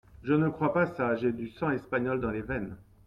Ne crois pas ça ! j’ai du sang espagnol dans les veines !